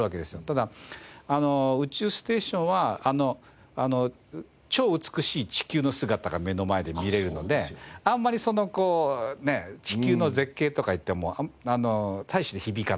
ただ宇宙ステーションは超美しい地球の姿が目の前で見られるのであんまりその「地球の絶景」とかいっても大して響かないんです本物があるので。